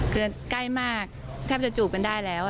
คือใกล้มากแทบจะจูบกันได้แล้ว